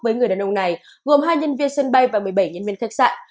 với người đàn ông này gồm hai nhân viên sân bay và một mươi bảy nhân viên khách sạn